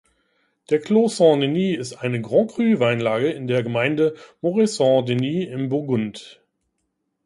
Der Clos Saint-Denis ist eine Grand Cru-Weinlage in der Gemeinde Morey-Saint-Denis im Burgund.